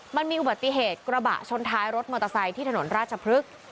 มันมีอุบัติเหตุกระบะชนท้ายรถมอเตอร์ไซค์ที่ถนนราชพฤกษ์